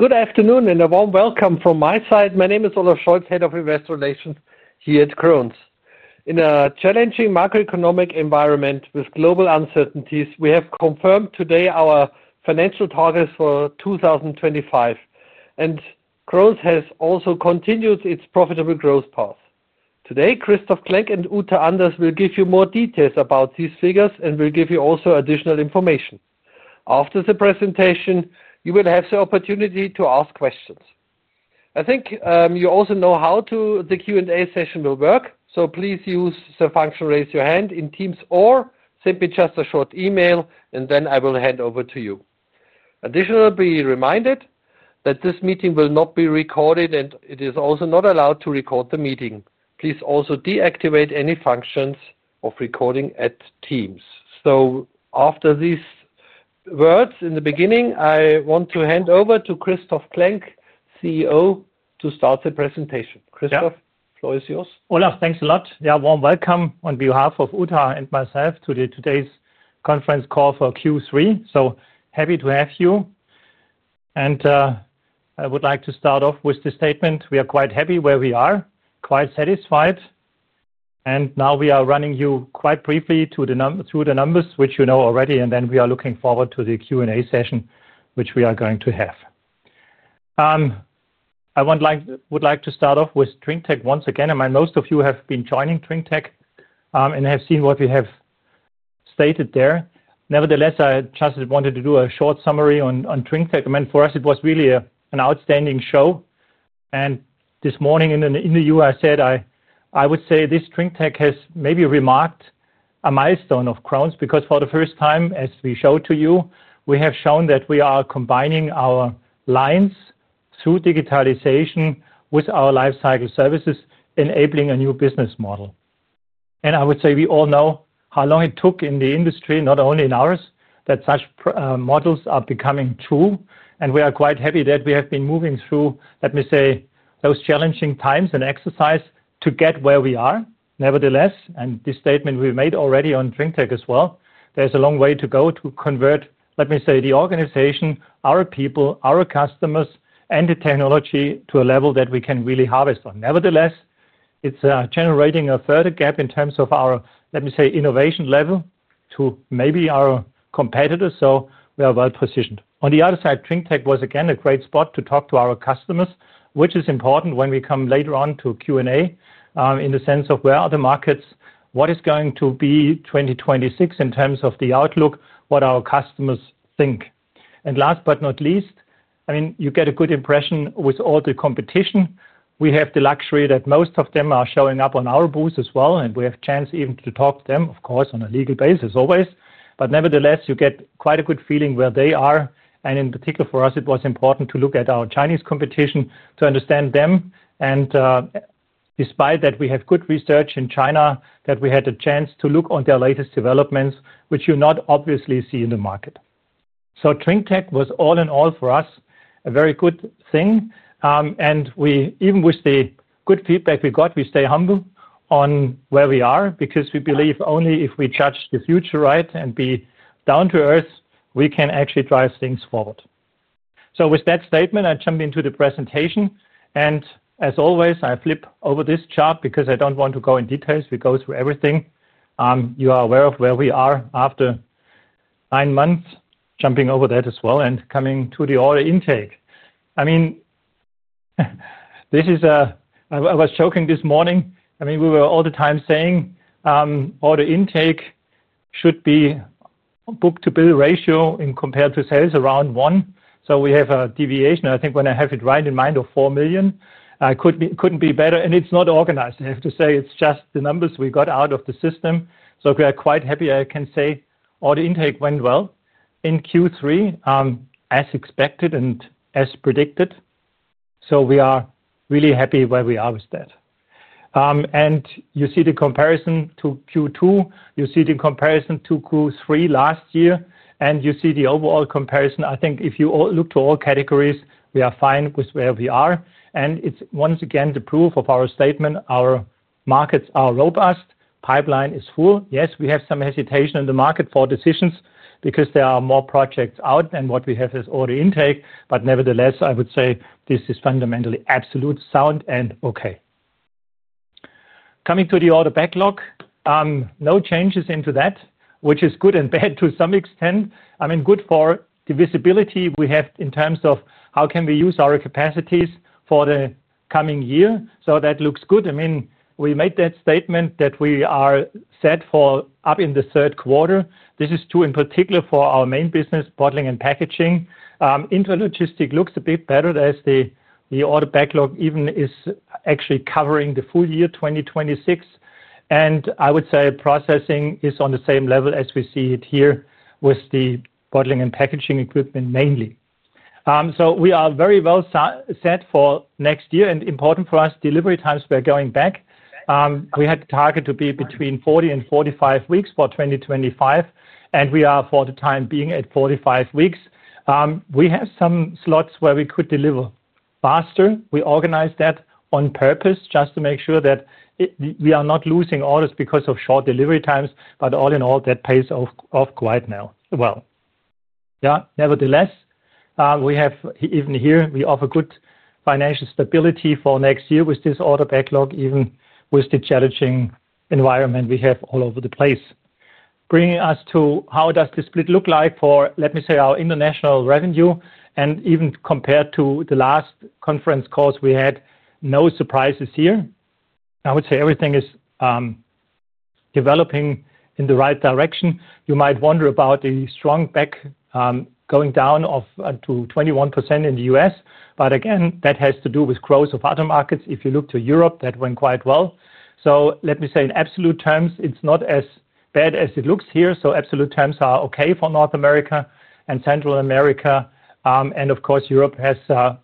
Good afternoon and a warm welcome from my side. My name is Olaf Scholz, Head of Investor Relations here at Krones. In a challenging macroeconomic environment with global uncertainties, we have confirmed today our financial targets for 2025, and Krones has also continued its profitable growth path. Today, Christoph Klenk and Uta Anders will give you more details about these figures and will give you also additional information. After the presentation, you will have the opportunity to ask questions. I think you also know how the Q&A session will work, so please use the function "Raise Your Hand" in Teams or simply just a short email, and then I will hand over to you. Additionally, be reminded that this meeting will not be recorded, and it is also not allowed to record the meeting. Please also deactivate any functions of recording at Teams. After these words in the beginning, I want to hand over to Christoph Klenk, CEO, to start the presentation. Christoph, the floor is yours. Olaf, thanks a lot. Yeah, warm welcome on behalf of Uta and myself to today's conference call for Q3. So, happy to have you. I would like to start off with the statement: We are quite happy where we are, quite satisfied. Now we are running you quite briefly through the numbers, which you know already, and then we are looking forward to the Q&A session, which we are going to have. I would like to start off with TrinkTech once again. I mean, most of you have been joining TrinkTech and have seen what we have stated there. Nevertheless, I just wanted to do a short summary on TrinkTech. I mean, for us, it was really an outstanding show. This morning in the EU, I said, I would say this TrinkTech has maybe remarked a milestone of Krones because for the first time, as we showed to you, we have shown that we are combining our lines through digitalization with our lifecycle services, enabling a new business model. I would say we all know how long it took in the industry, not only in ours, that such models are becoming true. We are quite happy that we have been moving through, let me say, those challenging times and exercises to get where we are. Nevertheless, this statement we've made already on TrinkTech as well, there's a long way to go to convert, let me say, the organization, our people, our customers, and the technology to a level that we can really harvest on. Nevertheless, it's generating a further gap in terms of our, let me say, innovation level to maybe our competitors, so we are well positioned. On the other side, DrinkTech was again a great spot to talk to our customers, which is important when we come later on to Q&A in the sense of where are the markets, what is going to be 2026 in terms of the outlook, what our customers think. And last but not least, I mean, you get a good impression with all the competition. We have the luxury that most of them are showing up on our booth as well, and we have a chance even to talk to them, of course, on a legal basis always. Nevertheless, you get quite a good feeling where they are. And in particular for us, it was important to look at our Chinese competition to understand them. Despite that, we have good research in China that we had a chance to look on their latest developments, which you not obviously see in the market. TrinkTech was all in all for us a very good thing. Even with the good feedback we got, we stay humble on where we are because we believe only if we judge the future right and be down to earth, we can actually drive things forward. With that statement, I jump into the presentation. As always, I flip over this chart because I don't want to go in details. We go through everything. You are aware of where we are after nine months, jumping over that as well and coming to the order intake. This is a, I was joking this morning. I mean, we were all the time saying order intake should be book to bill ratio compared to sales around one. So we have a deviation, I think when I have it right in mind of $4 million. I couldn't be better. It's not organized, I have to say. It's just the numbers we got out of the system. So we are quite happy, I can say, order intake went well in Q3 as expected and as predicted. We are really happy where we are with that. You see the comparison to Q2, you see the comparison to Q3 last year, and you see the overall comparison. I think if you look to all categories, we are fine with where we are. It's once again the proof of our statement. Our markets are robust. Pipeline is full. Yes, we have some hesitation in the market for decisions because there are more projects out than what we have as order intake. But nevertheless, I would say this is fundamentally absolutely sound and okay. Coming to the order backlog, no changes into that, which is good and bad to some extent. I mean, good for the visibility we have in terms of how we can use our capacities for the coming year. So that looks good. I mean, we made that statement that we are set for up in the third quarter. This is true in particular for our main business, bottling and packaging. Intra-logistics looks a bit better as the order backlog even is actually covering the full year 2026. I would say processing is on the same level as we see it here with the bottling and packaging equipment mainly. We are very well set for next year and important for us delivery times we are going back. We had targeted to be between 40 and 45 weeks for 2025, and we are for the time being at 45 weeks. We have some slots where we could deliver faster. We organize that on purpose just to make sure that we are not losing orders because of short delivery times, but all in all, that pays off quite well now. Nevertheless, we have even here, we offer good financial stability for next year with this order backlog, even with the challenging environment we have all over the place. Bringing us to how does the split look like for, let me say, our international revenue, and even compared to the last conference calls we had, no surprises here. I would say everything is developing in the right direction. You might wonder about the strong back going down to 21% in the US, but again, that has to do with growth of other markets. If you look to Europe, that went quite well. So let me say in absolute terms, it's not as bad as it looks here. Absolute terms are okay for North America and Central America. And of course, Europe has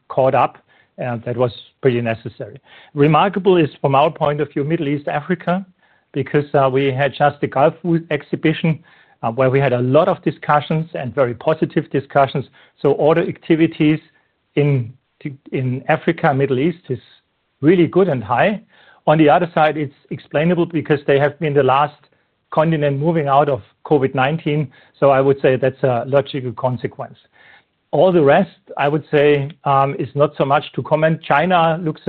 caught up, and that was pretty necessary. Remarkable is from our point of view, Middle East, Africa, because we had just the Gulf Food Exhibition where we had a lot of discussions and very positive discussions. Order activities in Africa and Middle East is really good and high. On the other side, it's explainable because they have been the last continent moving out of COVID-19. I would say that's a logical consequence. All the rest, I would say, is not so much to comment. China looks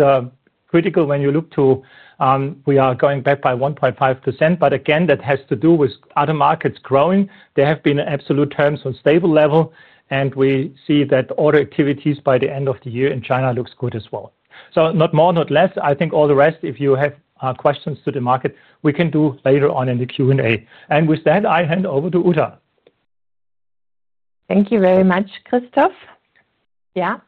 critical when you look to, we are going back by 1.5%. But again, that has to do with other markets growing. There have been absolute terms on stable level, and we see that order activities by the end of the year in China looks good as well. So not more, not less. I think all the rest, if you have questions to the market, we can do later on in the Q&A. And with that, I hand over to Uta. Thank you very much, Christoph.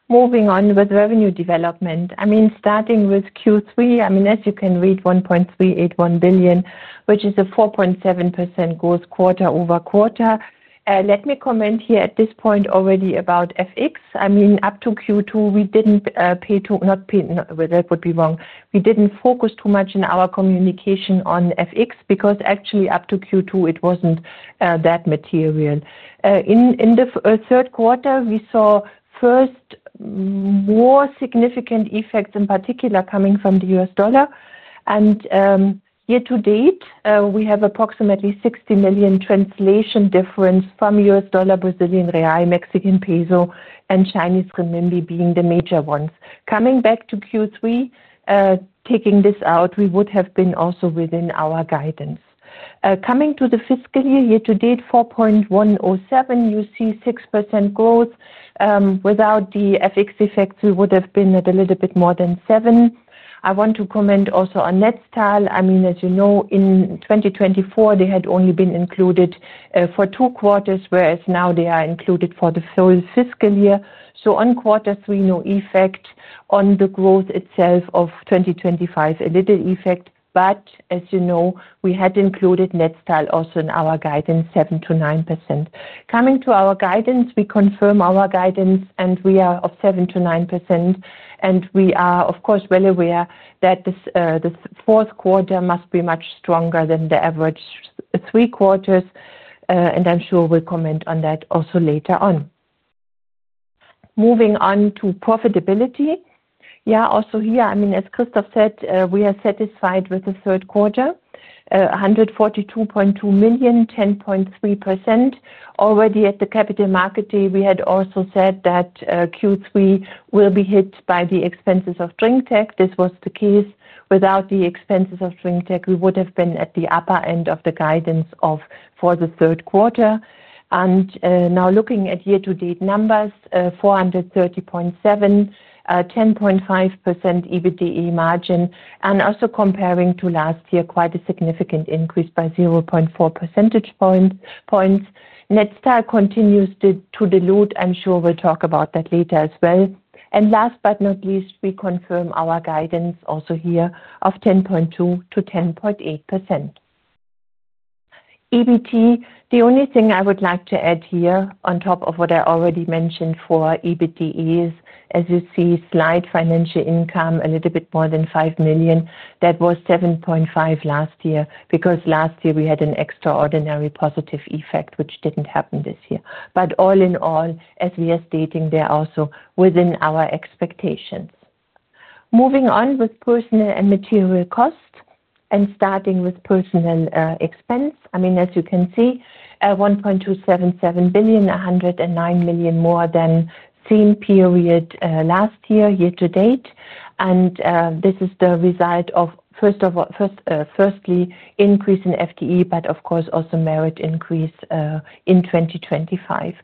Moving on with revenue development, starting with Q3, as you can read, $1.381 billion, which is a 4.7% growth quarter over quarter. Let me comment here at this point already about FX. Up to Q2, we didn't focus too much in our communication on FX because actually up to Q2, it wasn't that material. In the third quarter, we saw first more significant effects, in particular coming from the US dollar. Year to date, we have approximately $60 million translation difference from US dollar, Brazilian real, Mexican peso, and Chinese renminbi being the major ones. Coming back to Q3, taking this out, we would have been also within our guidance. Coming to the fiscal year, year to date, $4.107 billion, you see 6% growth. Without the FX effects, we would have been at a little bit more than 7%. I want to comment also on net style. I mean, as you know, in 2024, they had only been included for two quarters, whereas now they are included for the full fiscal year. So on quarter three, no effect on the growth itself of 2025, a little effect. But as you know, we had included net style also in our guidance, 7% to 9%. Coming to our guidance, we confirm our guidance, and we are of 7% to 9%. We are, of course, well aware that the fourth quarter must be much stronger than the average three quarters. I'm sure we'll comment on that also later on. Moving on to profitability. Also here, I mean, as Christoph said, we are satisfied with the third quarter, $142.2 million, 10.3%. Already at the capital market day, we had also said that Q3 will be hit by the expenses of TrinkTech. This was the case. Without the expenses of TrinkTech, we would have been at the upper end of the guidance for the third quarter. Now looking at year to date numbers, $430.7 million, 10.5% EBITDA margin, and also comparing to last year, quite a significant increase by 0.4 percentage points. Net style continues to dilute. I'm sure we'll talk about that later as well. Last but not least, we confirm our guidance also here of 10.2% to 10.8%. EBIT, the only thing I would like to add here on top of what I already mentioned for EBITDA is, as you see, slight financial income, a little bit more than $5 million. That was 7.5% last year because last year we had an extraordinary positive effect, which didn't happen this year. But all in all, as we are stating, they are also within our expectations. Moving on with personal and material costs and starting with personal expense. As you can see, $1.277 billion, $109 million more than same period last year, year to date. This is the result of, firstly, increase in FTE, but of course, also merit increase in 2025.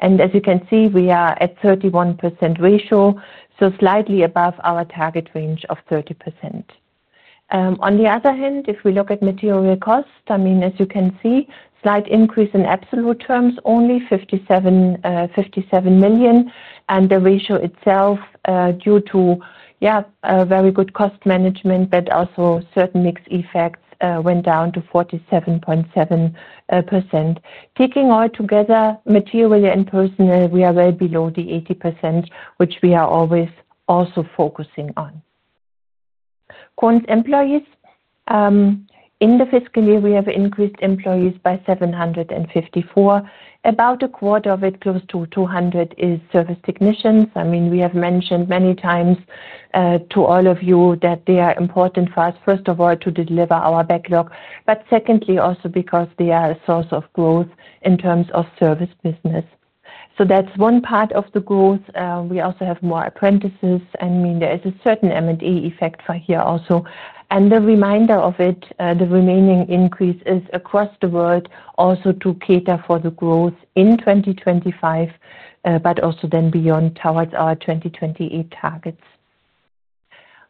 As you can see, we are at 31% ratio, so slightly above our target range of 30%. On the other hand, if we look at material costs, as you can see, slight increase in absolute terms only, $57 million. The ratio itself, due to very good cost management, but also certain mixed effects, went down to 47.7%. Taking all together, material and personal, we are well below the 80%, which we are always also focusing on. Krones employees, in the fiscal year, we have increased employees by 754. About a quarter of it, close to 200, is service technicians. I mean, we have mentioned many times to all of you that they are important for us, first of all, to deliver our backlog, but secondly, also because they are a source of growth in terms of service business. So that's one part of the growth. We also have more apprentices. I mean, there is a certain M&A effect for here also. The remainder of it, the remaining increase is across the world also to cater for the growth in 2025, but also then beyond towards our 2028 targets.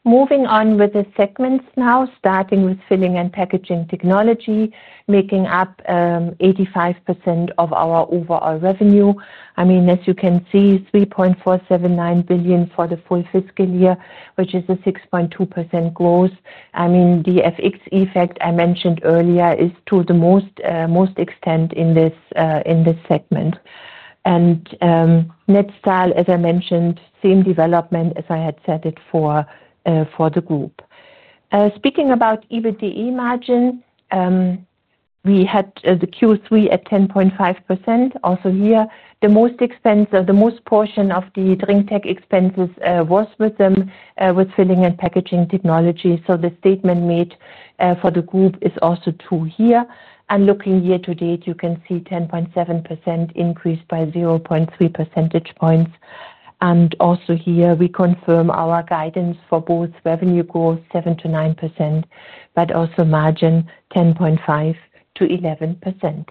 Moving on with the segments now, starting with filling and packaging technology, making up 85% of our overall revenue. As you can see, $3.479 billion for the full fiscal year, which is a 6.2% growth. The FX effect I mentioned earlier is to the most extent in this segment. Net style, as I mentioned, same development as I had said it for the group. Speaking about EBITDA margin, we had the Q3 at 10.5%. Also here, the most portion of the DrinkTech expenses was with them with filling and packaging technology. So the statement made for the group is also true here. Looking year to date, you can see 10.7% increase by 0.3 percentage points. Also here, we confirm our guidance for both revenue growth, 7% to 9%, but also margin 10.5% to 11%.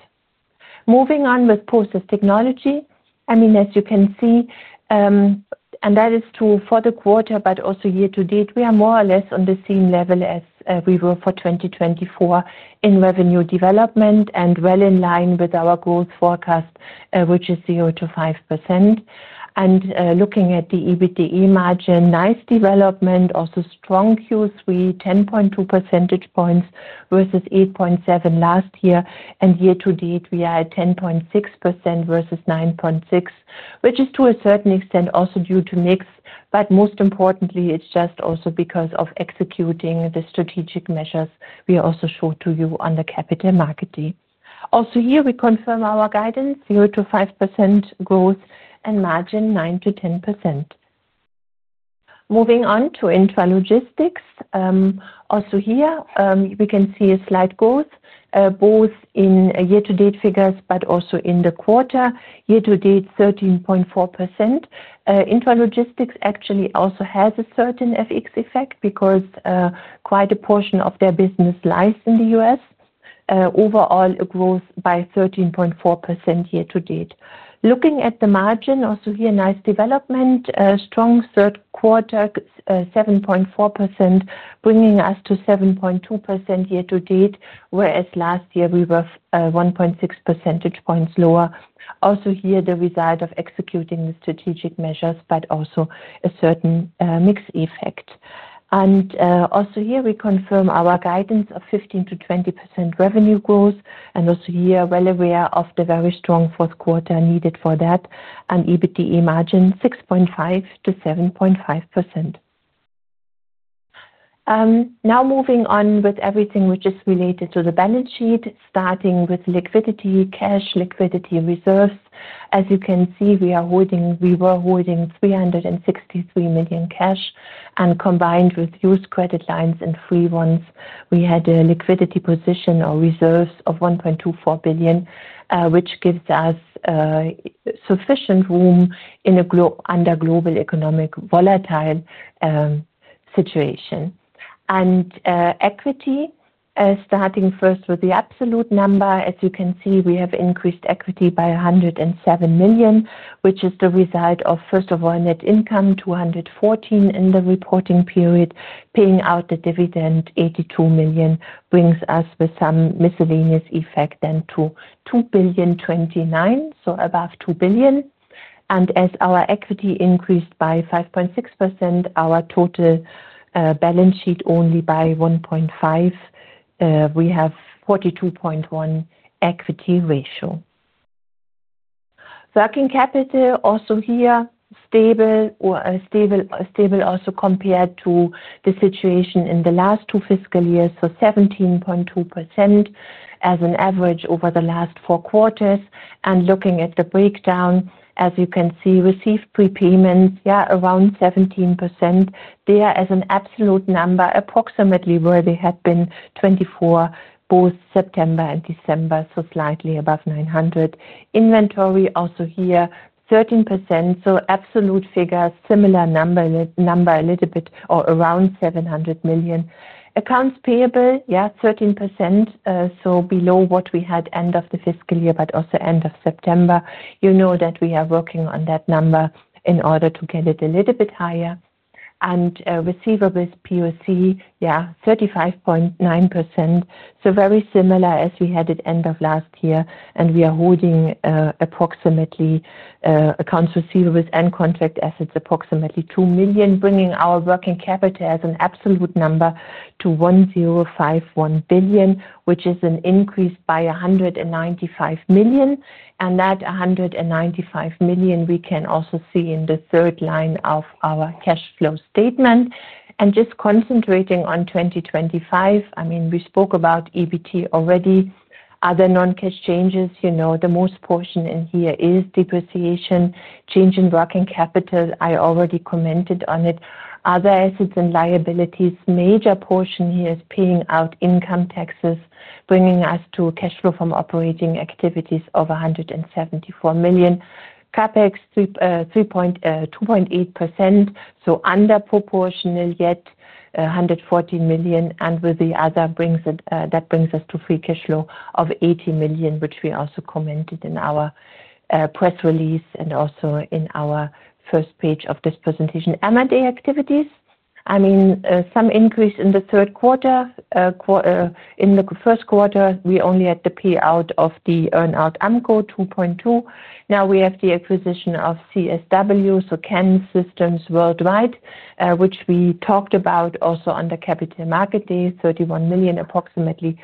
Moving on with process technology. I mean, as you can see, and that is true for the quarter, but also year to date, we are more or less on the same level as we were for 2024 in revenue development and well in line with our growth forecast, which is 0% to 5%. Looking at the EBITDA margin, nice development, also strong Q3, 10.2 percentage points versus 8.7% last year. Year to date, we are at 10.6% versus 9.6%, which is to a certain extent also due to mix. But most importantly, it's just also because of executing the strategic measures we also showed to you on the capital market day. Also here, we confirm our guidance, 0% to 5% growth and margin 9% to 10%. Moving on to intra-logistics. Also here, we can see a slight growth both in year to date figures, but also in the quarter. Year to date, 13.4%. Intra-logistics actually also has a certain FX effect because quite a portion of their business lies in the US. Overall, a growth by 13.4% year to date. Looking at the margin also here, nice development, strong third quarter, 7.4%, bringing us to 7.2% year to date, whereas last year we were 1.6 percentage points lower. Also here, the result of executing the strategic measures, but also a certain mixed effect. Also here, we confirm our guidance of 15% to 20% revenue growth. Also here, well aware of the very strong fourth quarter needed for that and EBITDA margin, 6.5% to 7.5%. Now moving on with everything which is related to the balance sheet, starting with liquidity, cash, liquidity, reserves. As you can see, we were holding $363 million cash, and combined with used credit lines and free ones, we had a liquidity position or reserves of $1.24 billion, which gives us sufficient room under global economic volatile situation. Equity, starting first with the absolute number, as you can see, we have increased equity by $107 million, which is the result of, first of all, net income $214 million in the reporting period, paying out the dividend $82 million brings us with some miscellaneous effect then to $2.029 billion, so above $2 billion. As our equity increased by 5.6%, our total balance sheet only by 1.5%, we have 42.1% equity ratio. Working capital also here, stable also compared to the situation in the last two fiscal years, so 17.2% as an average over the last four quarters. Looking at the breakdown, as you can see, received prepayments, around 17%. There as an absolute number, approximately where they had been 24, both September and December, so slightly above 900. Inventory also here, 13%, so absolute figure, similar number a little bit or around $700 million. Accounts payable, 13%, so below what we had end of the fiscal year, but also end of September. You know that we are working on that number in order to get it a little bit higher. Receivables, POC, 35.9%, so very similar as we had at end of last year. We are holding approximately accounts receivables and contract assets approximately $2 million, bringing our working capital as an absolute number to $1.051 billion, which is an increase by $195 million. That $195 million, we can also see in the third line of our cash flow statement. Just concentrating on 2025, I mean, we spoke about EBIT already. Other non-cash changes, you know the most portion in here is depreciation, change in working capital. I already commented on it. Other assets and liabilities, major portion here is paying out income taxes, bringing us to cash flow from operating activities of $174 million. CapEx, 2.8%, so underproportional yet, $114 million. With the other, that brings us to free cash flow of $80 million, which we also commented in our press release and also in our first page of this presentation. M&A activities, I mean, some increase in the third quarter. In the first quarter, we only had the payout of the earn-out AMCO, $2.2 million. Now we have the acquisition of CSW, so Canon Systems Worldwide, which we talked about also on the capital market day, $31 million approximately.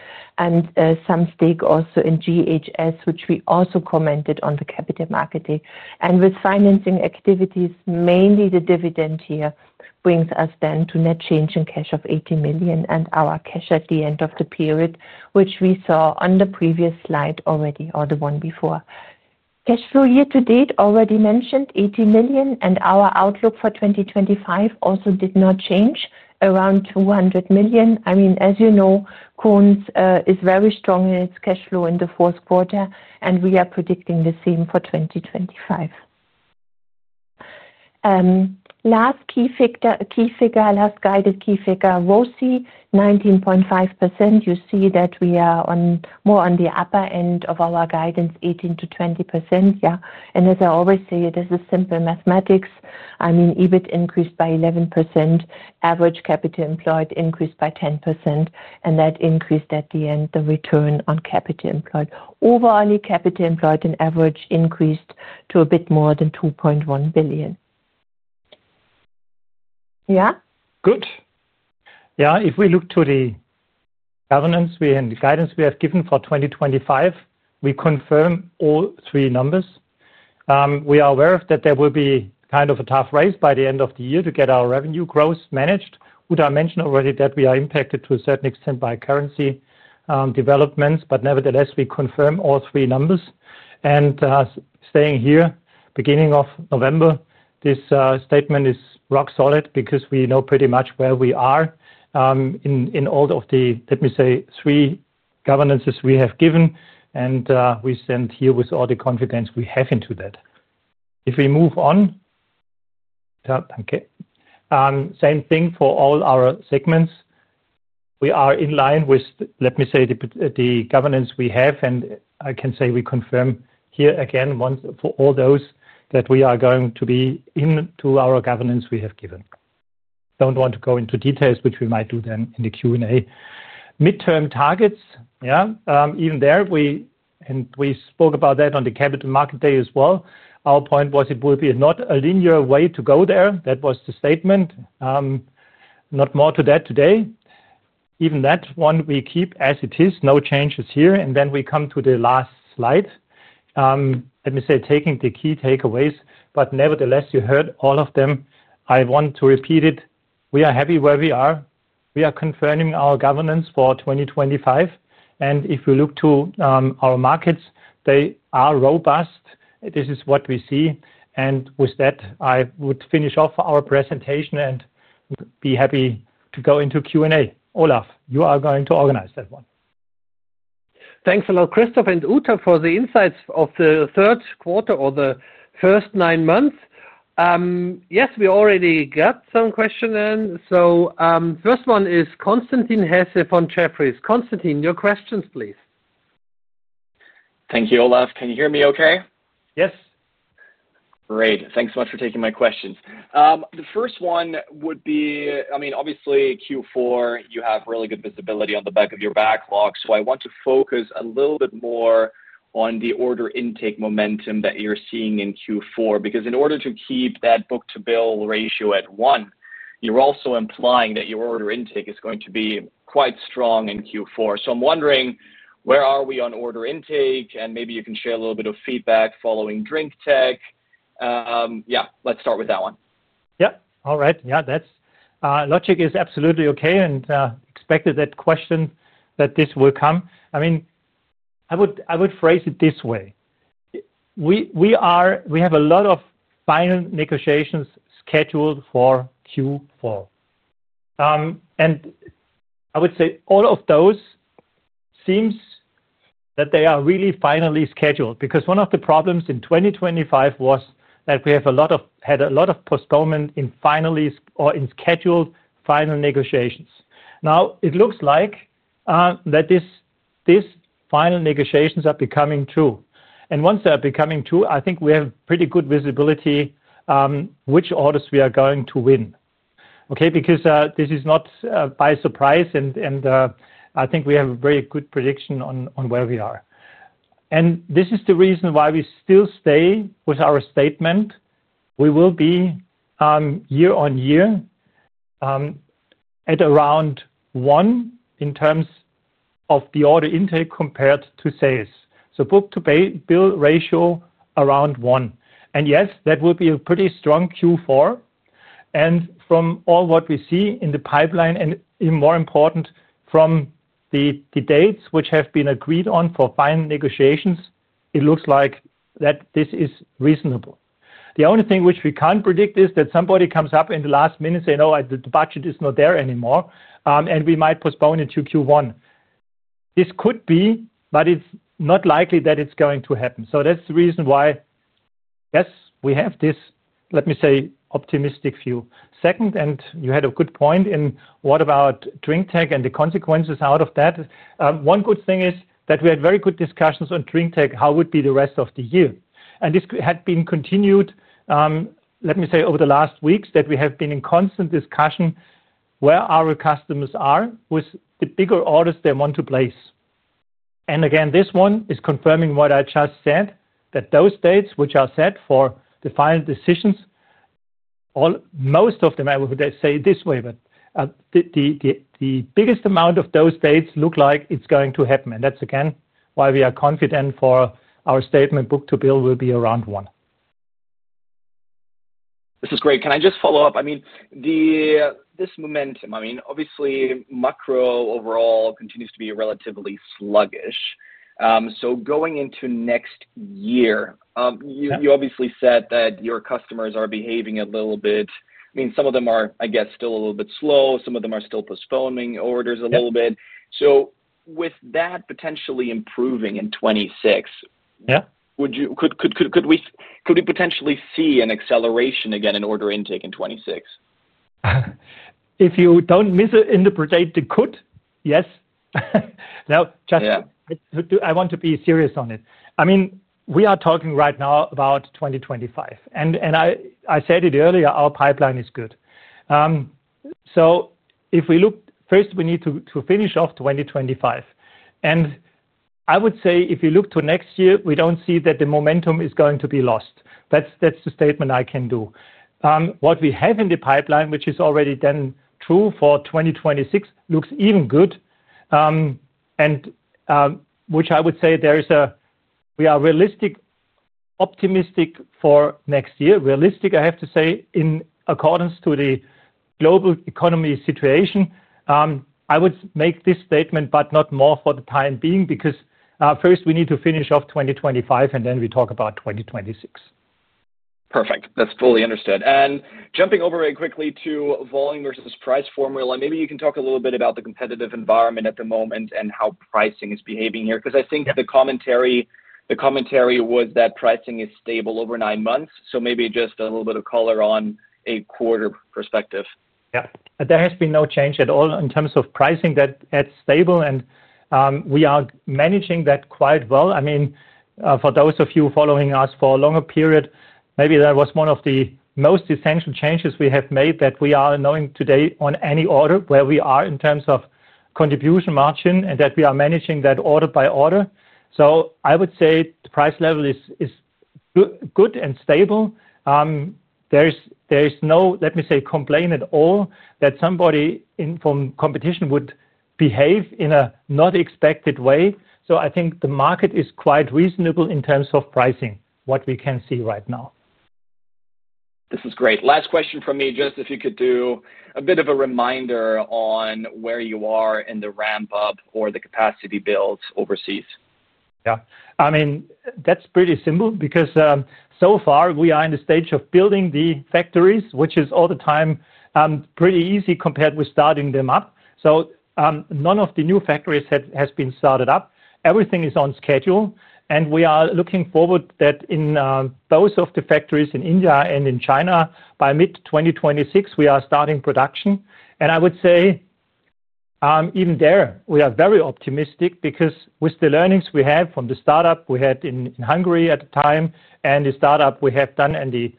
Some stake also in GHS, which we also commented on the capital market day. With financing activities, mainly the dividend here brings us then to net change in cash of $80 million and our cash at the end of the period, which we saw on the previous slide already or the one before. Cash flow year to date already mentioned $80 million. Our outlook for 2025 also did not change, around $200 million. I mean, as you know, Krones is very strong in its cash flow in the fourth quarter, and we are predicting the same for 2025. Last key figure, last guided key figure, ROSI, 19.5%. You see that we are more on the upper end of our guidance, 18% to 20%. This is simple mathematics. I mean, EBIT increased by 11%, average capital employed increased by 10%, and that increased at the end, the return on capital employed. Overall, capital employed and average increased to a bit more than $2.1 billion. Yeah? Good. Yeah. If we look to the guidance we have given for 2025, we confirm all three numbers. We are aware that there will be kind of a tough race by the end of the year to get our revenue growth managed. As I mentioned already, we are impacted to a certain extent by currency developments, but nevertheless, we confirm all three numbers. Standing here at the beginning of November, this statement is rock solid because we know pretty much where we are in all of the three guidances we have given. We stand here with all the confidence we have into that. If we move on, same thing for all our segments. We are in line with, let me say, the governance we have. I can say we confirm here again for all those that we are going to be into our governance we have given. Don't want to go into details, which we might do then in the Q&A. Midterm targets, yeah, even there, we spoke about that on the capital market day as well. Our point was it will be not a linear way to go there. That was the statement. Not more to that today. Even that one we keep as it is, no changes here. Then we come to the last slide. Let me say, taking the key takeaways, but nevertheless, you heard all of them. I want to repeat it. We are happy where we are. We are confirming our governance for 2025. If we look to our markets, they are robust. This is what we see. With that, I would finish off our presentation and be happy to go into Q&A. Olaf, you are going to organize that one. Thanks a lot, Christoph and Uta, for the insights of the third quarter or the first nine months. Yes, we already got some questions. The first one is Konstantin Hesse from Jefferies. Konstantin, your questions, please. Thank you, Olaf. Can you hear me okay? Yes. Great. Thanks so much for taking my questions. The first one would be, I mean, obviously, Q4, you have really good visibility on the back of your backlog. I want to focus a little bit more on the order intake momentum that you're seeing in Q4 because in order to keep that book-to-bill ratio at one, you're also implying that your order intake is going to be quite strong in Q4. I'm wondering, where are we on order intake? And maybe you can share a little bit of feedback following DrinkTech. Yeah, let's start with that one. Yeah. All right. Yeah, logic is absolutely okay. And expected that question that this will come. I mean, I would phrase it this way. We have a lot of final negotiations scheduled for Q4. And I would say all of those seems that they are really finally scheduled because one of the problems in 2024 was that we had a lot of postponement in finally or in scheduled final negotiations. Now, it looks like these final negotiations are becoming true. Once they are becoming true, I think we have pretty good visibility which orders we are going to win. Because this is not by surprise, and I think we have a very good prediction on where we are. This is the reason why we still stay with our statement. We will be year on year at around one in terms of the order intake compared to sales. So book-to-bill ratio around one. Yes, that will be a pretty strong Q4. From all what we see in the pipeline and more important from the dates which have been agreed on for final negotiations, it looks like this is reasonable. The only thing which we can't predict is that somebody comes up in the last minute saying, "Oh, the budget is not there anymore," and we might postpone it to Q1. This could be, but it's not likely that it's going to happen. That's the reason why, yes, we have this optimistic view. Second, and you had a good point in what about DrinkTech and the consequences out of that. One good thing is that we had very good discussions on DrinkTech, how would be the rest of the year. This had been continued over the last weeks that we have been in constant discussion where our customers are with the bigger orders they want to place. Again, this one is confirming what I just said, that those dates which are set for the final decisions, most of them, I would say it this way, but the biggest amount of those dates look like it's going to happen. That's again why we are confident for our statement book-to-bill will be around one. This is great. Can I just follow up? I mean, this momentum, I mean, obviously, macro overall continues to be relatively sluggish. So going into next year, you obviously said that your customers are behaving a little bit. I mean, some of them are, I guess, still a little bit slow. Some of them are still postponing orders a little bit. So with that potentially improving in '26, could we potentially see an acceleration again in order intake in '26? If you don't misinterpret the could, yes. Now, I just want to be serious on it. I mean, we are talking right now about 2025. I said it earlier, our pipeline is good. So if we look, first, we need to finish off 2025. I would say if you look to next year, we don't see that the momentum is going to be lost. That's the statement I can do. What we have in the pipeline, which is already then true for 2026, looks even good, which I would say there is a we are realistic, optimistic for next year. Realistic, I have to say, in accordance to the global economy situation. I would make this statement, but not more for the time being because first we need to finish off 2025, and then we talk about 2026. Perfect. That's fully understood. Jumping over very quickly to volume versus price formula, maybe you can talk a little bit about the competitive environment at the moment and how pricing is behaving here because I think the commentary was that pricing is stable over nine months. So maybe just a little bit of color on a quarter perspective. Yeah. There has been no change at all in terms of pricing that it's stable, and we are managing that quite well. I mean, for those of you following us for a longer period, maybe that was one of the most essential changes we have made that we are knowing today on any order where we are in terms of contribution margin and that we are managing that order by order. So I would say the price level is good and stable. There is no, let me say, complaint at all that somebody from competition would behave in a not expected way. So I think the market is quite reasonable in terms of pricing, what we can see right now. This is great. Last question for me, just if you could do a bit of a reminder on where you are in the ramp-up or the capacity builds overseas. Yeah. I mean, that's pretty simple because so far we are in the stage of building the factories, which is all the time pretty easy compared with starting them up. So none of the new factories has been started up. Everything is on schedule. We are looking forward that in both of the factories in India and in China, by mid-2026, we are starting production. I would say even there, we are very optimistic because with the learnings we have from the startup we had in Hungary at the time and the startup we have done and the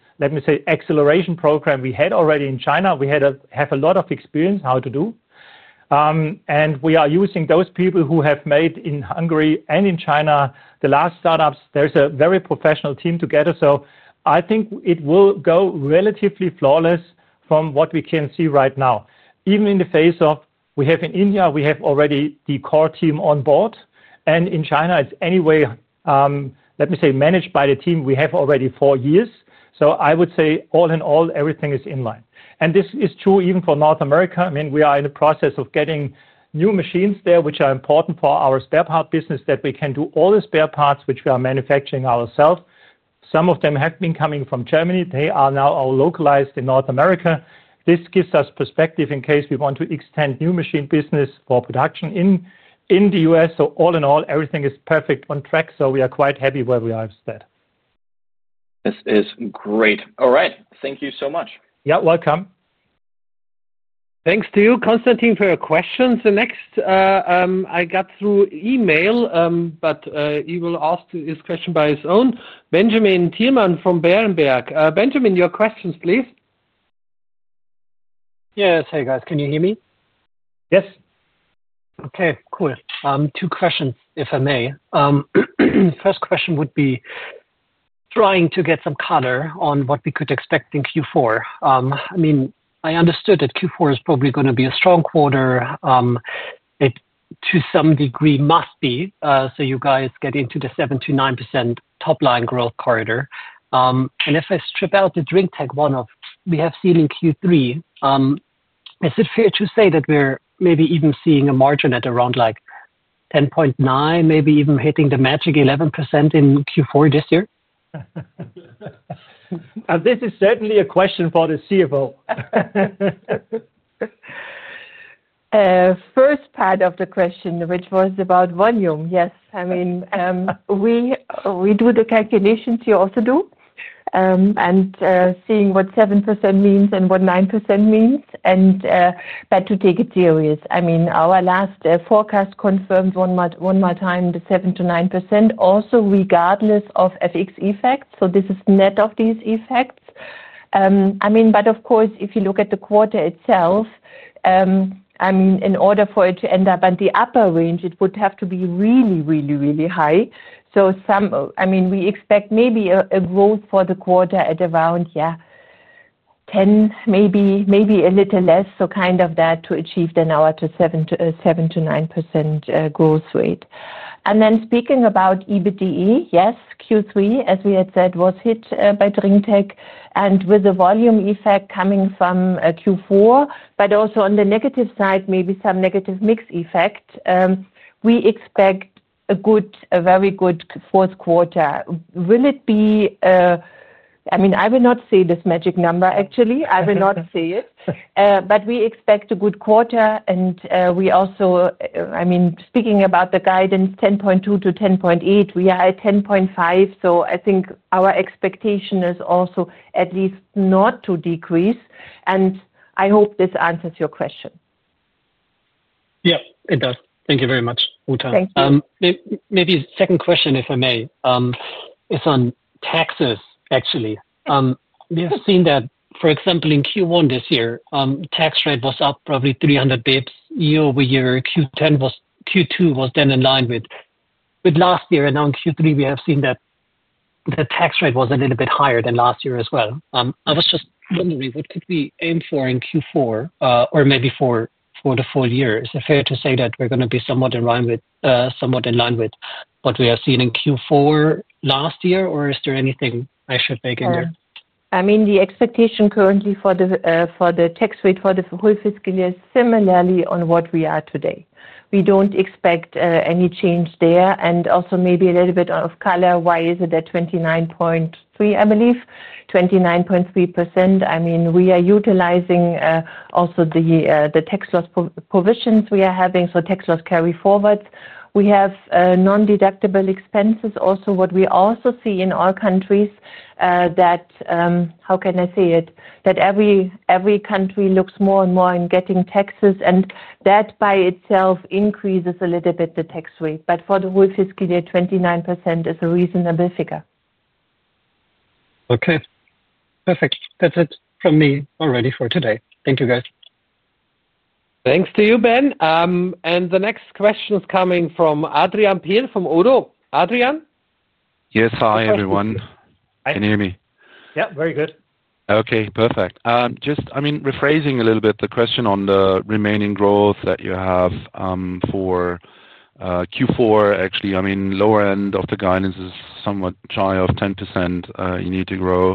acceleration program we had already in China, we have a lot of experience how to do. We are using those people who have made in Hungary and in China the last startups. There's a very professional team together. So I think it will go relatively flawless from what we can see right now. Even in the phase of we have in India, we have already the core team on board. In China, it's anyway managed by the team we have already four years. So I would say all in all, everything is in line. This is true even for North America. I mean, we are in the process of getting new machines there, which are important for our spare part business that we can do all the spare parts, which we are manufacturing ourselves. Some of them have been coming from Germany. They are now localized in North America. This gives us perspective in case we want to extend new machine business for production in the U.S. All in all, everything is perfect on track. We are quite happy where we are instead. This is great. All right. Thank you so much. Yeah, welcome. Thanks to you, Konstantin, for your questions. The next I got through email, but he will ask this question by his own. Benjamin Thielmann from Berenberg. Benjamin, your questions, please. Yes. Hey, guys. Can you hear me? Yes. Okay. Cool. Two questions, if I may. First question would be trying to get some color on what we could expect in Q4. I mean, I understood that Q4 is probably going to be a strong quarter. To some degree, must be so you guys get into the 7% to 9% top-line growth corridor. If I strip out the DrinkTech one-off we have seen in Q3, is it fair to say that we're maybe even seeing a margin at around 10.9%, maybe even hitting the magic 11% in Q4 this year? This is certainly a question for the CFO. First part of the question, which was about volume. Yes. I mean, we do the calculations you also do and seeing what 7% means and what 9% means. But to take it serious, I mean, our last forecast confirmed one more time the 7% to 9% also regardless of FX effects. This is net of these effects. I mean, but of course, if you look at the quarter itself, I mean, in order for it to end up at the upper range, it would have to be really, really, really high. I mean, we expect maybe a growth for the quarter at around, yeah, 10%, maybe a little less. Kind of that to achieve then our 7% to 9% growth rate. And then speaking about EBITDA, yes, Q3, as we had said, was hit by DrinkTech and with the volume effect coming from Q4, but also on the negative side, maybe some negative mix effect, we expect a very good fourth quarter. Will it be? I mean, I will not see this magic number, actually. I will not see it. But we expect a good quarter. We also, I mean, speaking about the guidance, 10.2 to 10.8, we are at 10.5. I think our expectation is also at least not to decrease. I hope this answers your question. Yes, it does. Thank you very much, Uta. Thank you. Maybe second question, if I may. It's on taxes, actually. We have seen that, for example, in Q1 this year, tax rate was up probably 300 basis points year over year. Q2 was then in line with last year. Now in Q3, we have seen that the tax rate was a little bit higher than last year as well. I was just wondering, what could we aim for in Q4 or maybe for the full year? Is it fair to say that we're going to be somewhat in line with what we have seen in Q4 last year, or is there anything I should take in there? I mean, the expectation currently for the tax rate for the whole fiscal year is similarly on what we are today. We don't expect any change there. And also maybe a little bit of color. Why is it at 29.3%? I mean, we are utilizing also the tax loss provisions we are having. So tax loss carry forwards. We have non-deductible expenses also. What we also see in all countries that, how can I say it, that every country looks more and more in getting taxes, and that by itself increases a little bit the tax rate. But for the whole fiscal year, 29% is a reasonable figure. Okay. Perfect. That's it from me already for today. Thank you, guys. Thanks to you, Ben. The next question is coming from Adrian Peel from Oodle. Adrian? Yes. Hi, everyone. Can you hear me? Yep. Very good. Perfect. Just, I mean, rephrasing a little bit the question on the remaining growth that you have for Q4, actually. I mean, lower end of the guidance is somewhat shy of 10%. You need to grow.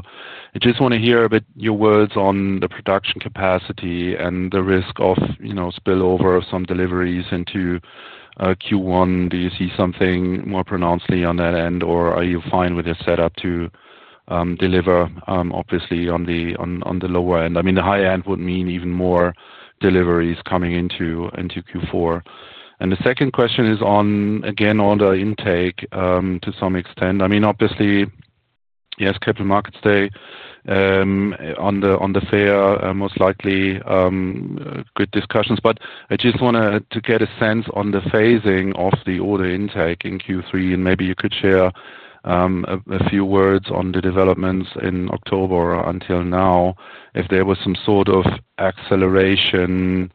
I just want to hear a bit your words on the production capacity and the risk of spillover of some deliveries into Q1. Do you see something more pronouncedly on that end, or are you fine with your setup to deliver, obviously, on the lower end? I mean, the high end would mean even more deliveries coming into Q4. The second question is on, again, order intake to some extent. I mean, obviously, yes, capital markets day on the fair, most likely good discussions. But I just wanted to get a sense on the phasing of the order intake in Q3, and maybe you could share a few words on the developments in October until now if there was some sort of acceleration.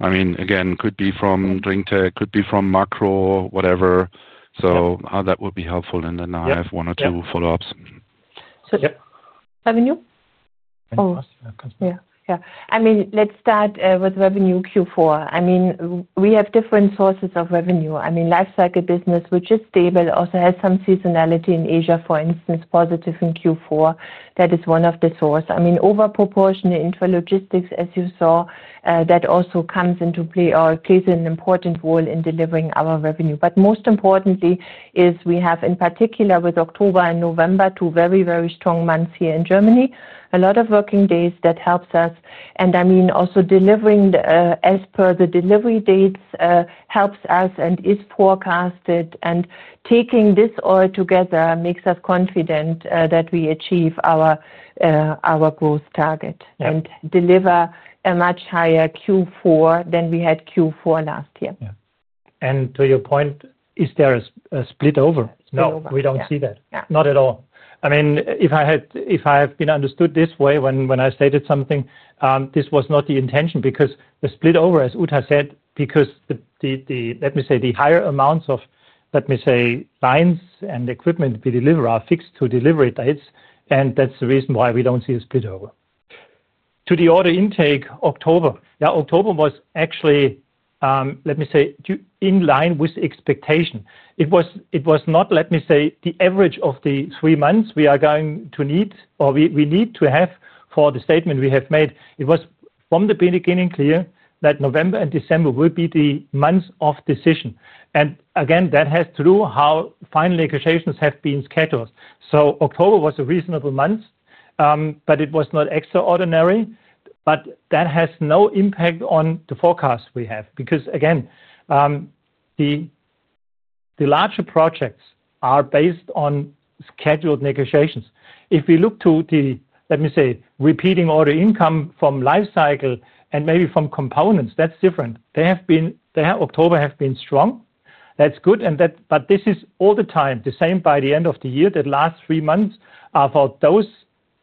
I mean, again, could be from DrinkTech, could be from macro, whatever. So that would be helpful in the now I have one or two follow-ups. So revenue? Yeah. Yeah. I mean, let's start with revenue Q4. I mean, we have different sources of revenue. I mean, life cycle business, which is stable, also has some seasonality in Asia, for instance, positive in Q4. That is one of the sources. I mean, overproportionate intralogistics, as you saw, that also comes into play or plays an important role in delivering our revenue. But most importantly is we have, in particular with October and November, two very, very strong months here in Germany, a lot of working days that helps us. Also delivering as per the delivery dates helps us and is forecasted. Taking this all together makes us confident that we achieve our growth target and deliver a much higher Q4 than we had Q4 last year. To your point, is there a split over? No, we don't see that. Not at all. If I have been understood this way when I stated something, this was not the intention because the split over, as Uta said, because the higher amounts of lines and equipment we deliver are fixed to delivery dates. That's the reason why we don't see a split over. To the order intake October, yeah, October was actually, let me say, in line with expectation. It was not, let me say, the average of the three months we are going to need or we need to have for the statement we have made. It was from the beginning clear that November and December will be the months of decision. Again, that has to do how fine negotiations have been scheduled. So October was a reasonable month, but it was not extraordinary. But that has no impact on the forecast we have because, again, the larger projects are based on scheduled negotiations. If we look to the, let me say, repeating order income from life cycle and maybe from components, that's different. They have been, they have, October have been strong. That's good. This is all the time the same by the end of the year that last three months are for those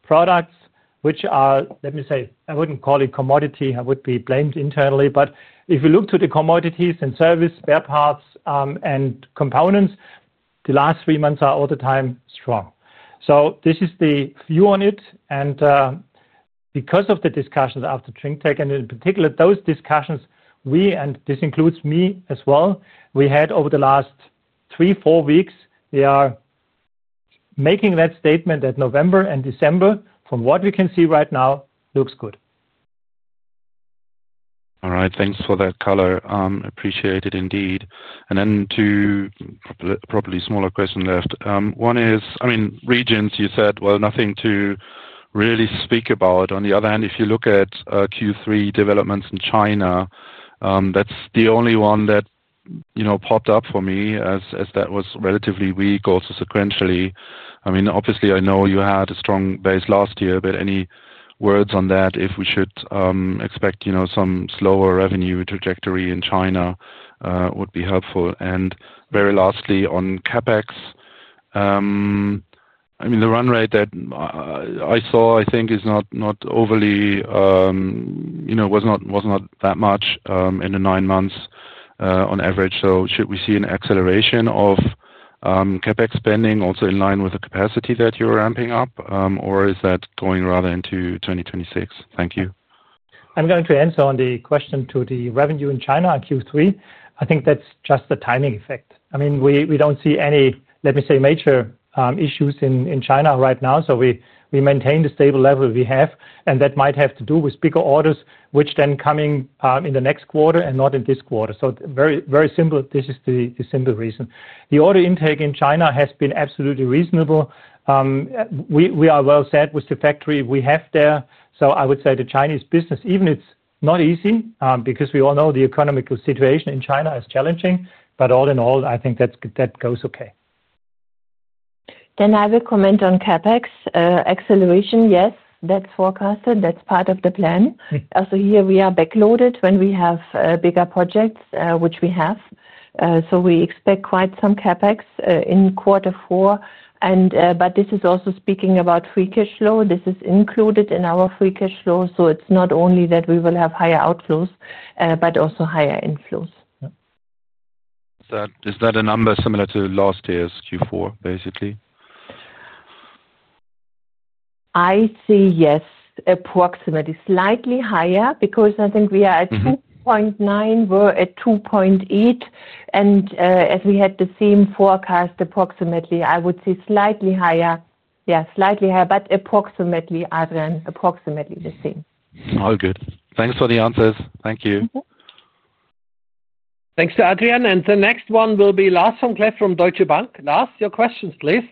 products which are, let me say, I wouldn't call it commodity. I would be blamed internally. But if you look to the commodities and service spare parts and components, the last three months are all the time strong. So this is the view on it. Because of the discussions after DrinkTech and in particular those discussions, we and this includes me as well, we had over the last three, four weeks, we are making that statement that November and December, from what we can see right now, looks good. All right. Thanks for that color. Appreciate it indeed. Then to probably smaller question left. One is, I mean, regions, you said, well, nothing to really speak about. On the other hand, if you look at Q3 developments in China, that's the only one that popped up for me as that was relatively weak also sequentially. I mean, obviously, I know you had a strong base last year, but any words on that if we should expect some slower revenue trajectory in China would be helpful. Very lastly, on CapEx, I mean, the run rate that I saw, I think, is not overly was not that much in the nine months on average. So should we see an acceleration of CapEx spending also in line with the capacity that you're ramping up, or is that going rather into 2026? Thank you. I'm going to answer on the question to the revenue in China in Q3. I think that's just the timing effect. I mean, we don't see any major issues in China right now. We maintain the stable level we have. That might have to do with bigger orders, which then coming in the next quarter and not in this quarter. Very simple, this is the simple reason. The order intake in China has been absolutely reasonable. We are well set with the factory we have there. I would say the Chinese business, even it's not easy because we all know the economic situation in China is challenging. But all in all, I think that goes okay. I will comment on CapEx. Acceleration, yes, that's forecasted. That's part of the plan. Here we are backloaded when we have bigger projects, which we have. We expect quite some CapEx in quarter four. But this is also speaking about free cash flow. This is included in our free cash flow. So it's not only that we will have higher outflows, but also higher inflows. Is that a number similar to last year's Q4, basically? I see, yes, approximately slightly higher because I think we are at 2.9, we're at 2.8. As we had the same forecast, approximately, I would say slightly higher. Yeah, slightly higher, but approximately Adrian, approximately the same. All good. Thanks for the answers. Thank you. Thanks to Adrian. The next one will be Lars von Klef from Deutsche Bank. Lars, your questions, please.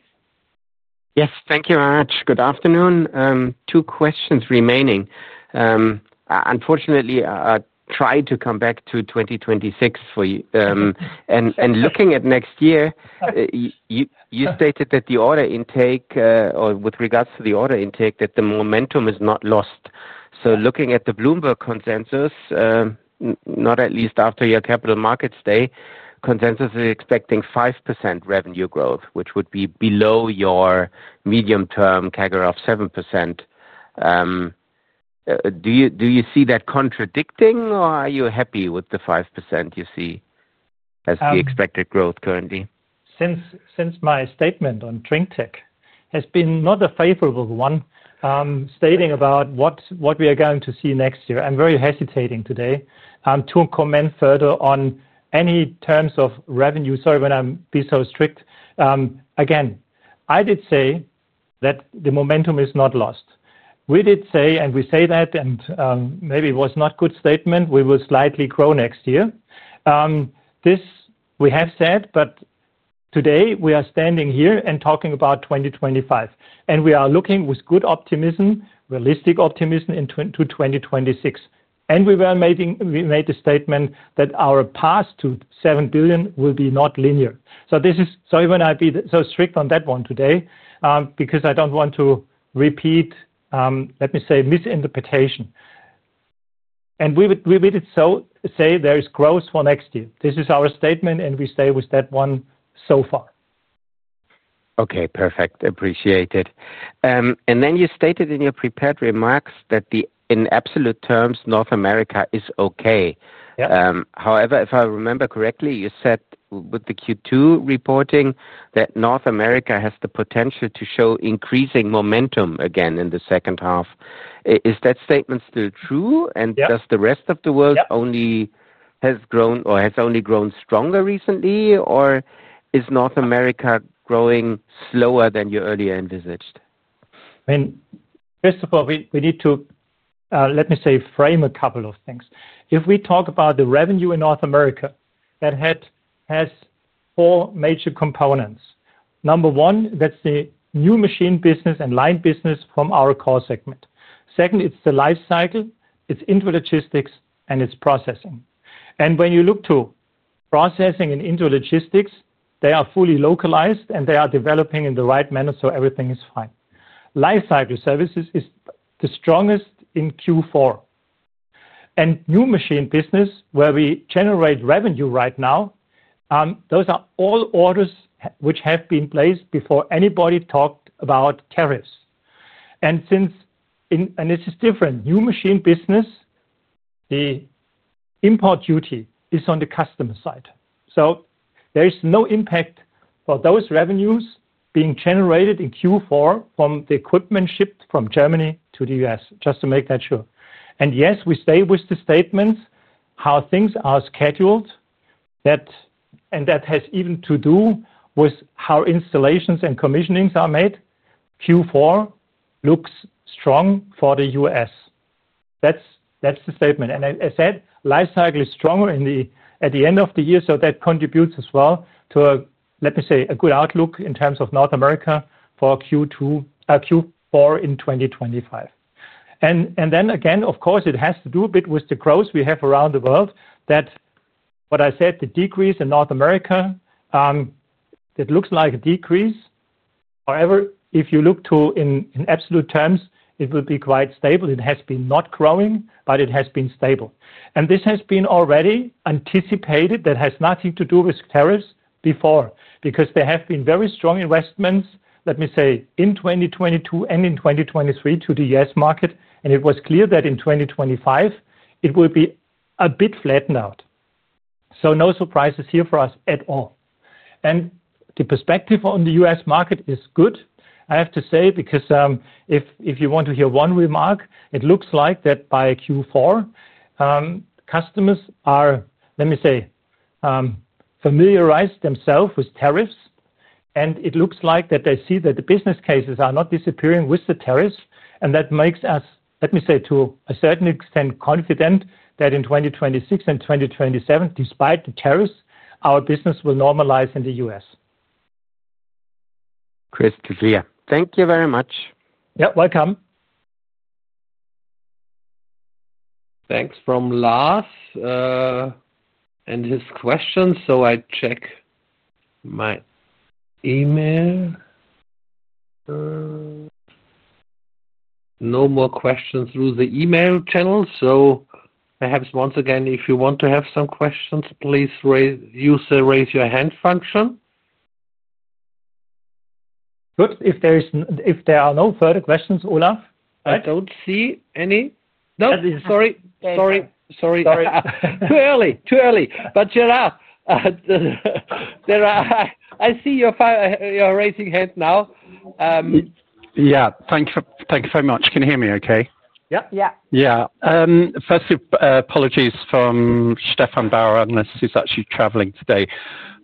Yes. Thank you very much. Good afternoon. Two questions remaining. Unfortunately, I tried to come back to 2026 for you. Looking at next year, you stated that the order intake or with regards to the order intake, that the momentum is not lost. Looking at the Bloomberg Consensus, not at least after your capital markets day, Consensus is expecting 5% revenue growth, which would be below your medium-term CAGR of 7%. Do you see that contradicting, or are you happy with the 5% you see as the expected growth currently? Since my statement on DrinkTech has been not a favorable one stating about what we are going to see next year, I'm very hesitating today to comment further on any terms of revenue. Sorry when I'm being strict. Again, I did say that the momentum is not lost. We did say, and we say that, and maybe it was not a good statement, we will slightly grow next year. This we have said, but today we are standing here and talking about 2025. We are looking with good optimism, realistic optimism into 2026. We made the statement that our path to $7 billion will be not linear. I'd be so strict on that one today because I don't want to repeat, let me say, misinterpretation. We did say there is growth for next year. This is our statement, and we stay with that one so far. Perfect. Appreciate it. Then you stated in your prepared remarks that in absolute terms, North America is okay. However, if I remember correctly, you said with the Q2 reporting that North America has the potential to show increasing momentum again in the second half. Is that statement still true? Does the rest of the world only have grown or have only grown stronger recently, or is North America growing slower than you earlier envisaged? I mean, first of all, we need to frame a couple of things. If we talk about the revenue in North America, that has four major components. Number one, that's the new machine business and line business from our core segment. Second, it's the life cycle, its intralogistics, and its processing. When you look to processing and intralogistics, they are fully localized, and they are developing in the right manner, so everything is fine. Life cycle services is the strongest in Q4. New machine business, where we generate revenue right now, those are all orders which have been placed before anybody talked about tariffs. Since this is different, new machine business, the import duty is on the customer side. There is no impact for those revenues being generated in Q4 from the equipment shipped from Germany to the US, just to make that sure. Yes, we stay with the statements how things are scheduled, and that has even to do with how installations and commissionings are made. Q4 looks strong for the US. That's the statement. As I said, life cycle is stronger at the end of the year, that contributes as well to, let me say, a good outlook in terms of North America for Q4 in 2025. Then again, of course, it has to do a bit with the growth we have around the world that, what I said, the decrease in North America, it looks like a decrease. However, if you look to in absolute terms, it will be quite stable. It has been not growing, but it has been stable. This has been already anticipated. That has nothing to do with tariffs before because there have been very strong investments, let me say, in 2022 and in 2023 to the US market. It was clear that in 2025, it will be a bit flattened out. So no surprises here for us at all. The perspective on the US market is good, I have to say, because if you want to hear one remark, it looks like that by Q4, customers are, let me say, familiarized themselves with tariffs. It looks like that they see that the business cases are not disappearing with the tariffs. That makes us, let me say, to a certain extent confident that in 2026 and 2027, despite the tariffs, our business will normalize in the US. Crystal clear. Thank you very much. Yeah, welcome. Thanks from Lars and his questions. I check my email. No more questions through the email channel. Perhaps once again, if you want to have some questions, please use the raise your hand function. Good. If there are no further questions, Olaf, I don't see any. No, sorry. Sorry. Sorry. Too early. Too early. But Gerard, I see you're raising your hand now. Yeah. Thank you very much. Can you hear me okay? Yeah. Yeah. Yeah. Firstly, apologies from Stefan Bauer, unless he's actually traveling today.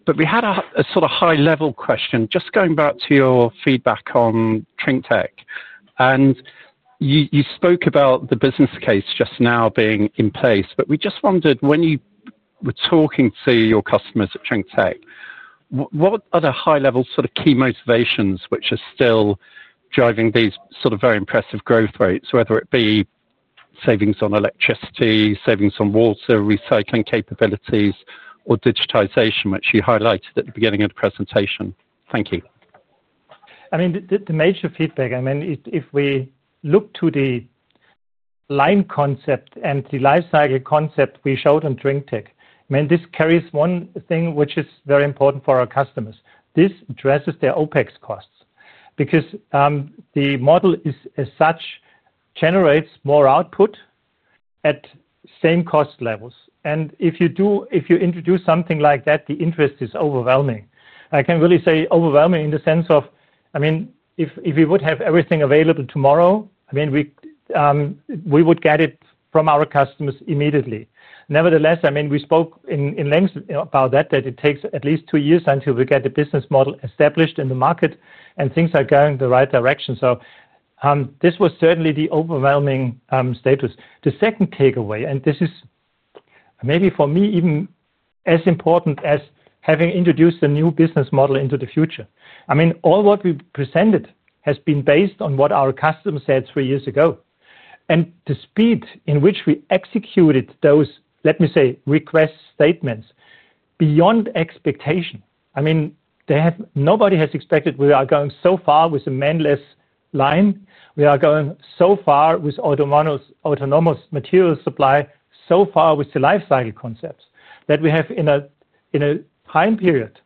But we had a sort of high-level question just going back to your feedback on DrinkTech. You spoke about the business case just now being in place. But we just wondered when you were talking to your customers at DrinkTech, what other high-level sort of key motivations which are still driving these sort of very impressive growth rates, whether it be savings on electricity, savings on water, recycling capabilities, or digitization, which you highlighted at the beginning of the presentation? Thank you. The major feedback, if we look to the line concept and the life cycle concept we showed on DrinkTech, this carries one thing which is very important for our customers. This addresses their OPEX costs because the model as such generates more output at same cost levels. If you introduce something like that, the interest is overwhelming. I can really say overwhelming in the sense of, if we would have everything available tomorrow, we would get it from our customers immediately. Nevertheless, I mean, we spoke at length about that, that it takes at least two years until we get the business model established in the market and things are going the right direction. So this was certainly the overwhelming status. The second takeaway, and this is maybe for me even as important as having introduced a new business model into the future. I mean, all what we presented has been based on what our customers said three years ago. And the speed in which we executed those, let me say, request statements beyond expectation, I mean, nobody has expected we are going so far with a manless line. We are going so far with autonomous material supply, so far with the life cycle concepts that we have in a time period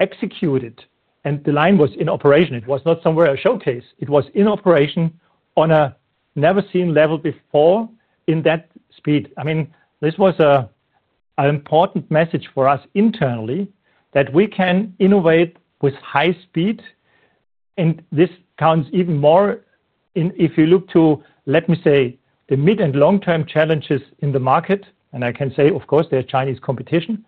executed. And the line was in operation. It was not somewhere a showcase. It was in operation on a never-seen level before in that speed. I mean, this was an important message for us internally that we can innovate with high speed. This counts even more if you look to, let me say, the mid and long-term challenges in the market. I can say, of course, there's Chinese competition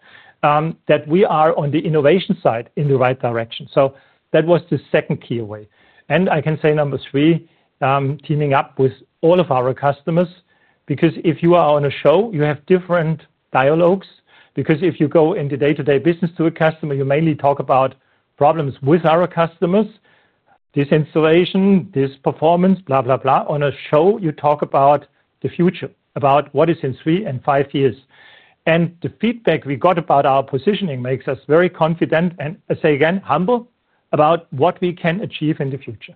that we are on the innovation side in the right direction. So that was the second key way. I can say number three, teaming up with all of our customers because if you are on a show, you have different dialogues. If you go in the day-to-day business to a customer, you mainly talk about problems with our customers, this installation, this performance, blah, blah, blah. On a show, you talk about the future, about what is in three and five years. The feedback we got about our positioning makes us very confident and, I say again, humble about what we can achieve in the future.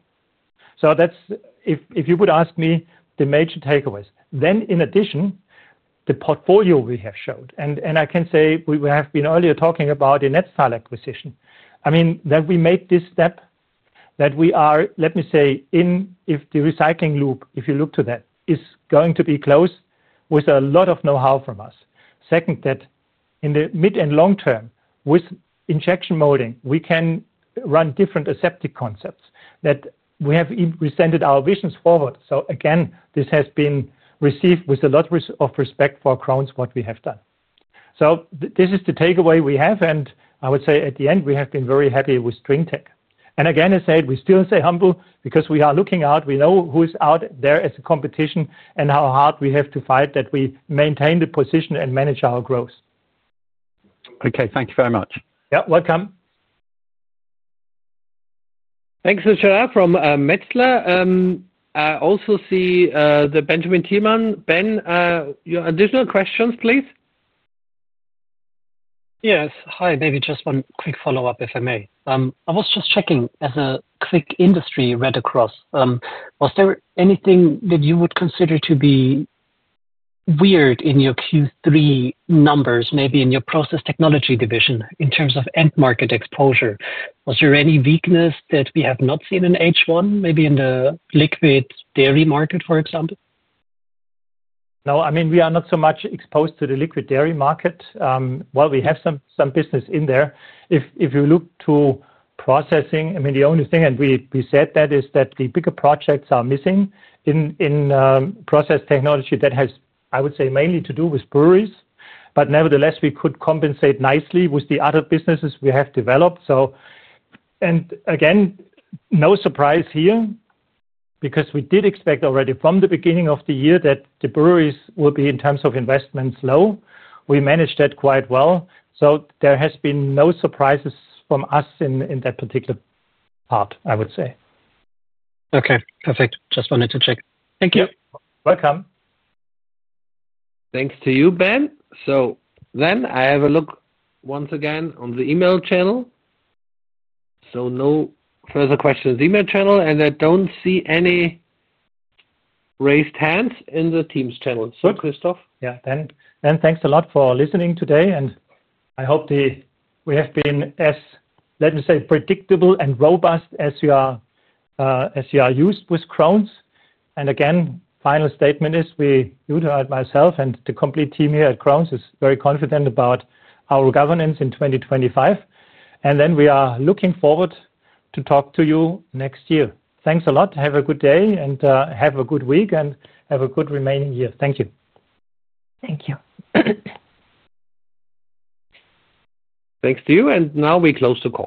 If you would ask me the major takeaways, then in addition, the portfolio we have showed. I can say we have been earlier talking about the NetStyle acquisition. I mean, that we made this step, that we are, let me say, in if the recycling loop, if you look to that, is going to be closed with a lot of know-how from us. Second, that in the mid and long term with injection molding, we can run different aseptic concepts that we have presented our visions forward. Again, this has been received with a lot of respect for Krones, what we have done. This is the takeaway we have. I would say at the end, we have been very happy with DrinkTech. Again, I say we still say humble because we are looking out. We know who's out there as a competition and how hard we have to fight that we maintain the position and manage our growth. Okay. Thank you very much. Yeah. Welcome. Thanks to Gerard from Metzler. I also see the Benjamin Tielmann. Ben, your additional questions, please? Yes. Hi. Maybe just one quick follow-up, if I may. I was just checking as a quick industry read across. Was there anything that you would consider to be weird in your Q3 numbers, maybe in your process technology division in terms of end market exposure? Was there any weakness that we have not seen in H1, maybe in the liquid dairy market, for example? No, I mean, we are not so much exposed to the liquid dairy market. We have some business in there. If you look to processing, I mean, the only thing and we said that is that the bigger projects are missing in process technology that has, I would say, mainly to do with breweries. But nevertheless, we could compensate nicely with the other businesses we have developed. And again, no surprise here because we did expect already from the beginning of the year that the breweries will be in terms of investments low. We managed that quite well. So there has been no surprises from us in that particular part, I would say. Okay. Perfect. Just wanted to check. Thank you. Welcome. Thanks to you, Ben. So then I have a look once again on the email channel. So no further questions, email channel. I don't see any raised hands in the Teams channel. So, Christoph? Yeah. Ben, thanks a lot for listening today. I hope we have been as, let me say, predictable and robust as you are used with Krones. Again, final statement is we knew that myself and the complete team here at Krones is very confident about our governance in 2025. We are looking forward to talk to you next year. Thanks a lot. Have a good day and have a good week and have a good remaining year. Thank you. Thank you. Thanks to you. Now we close the call.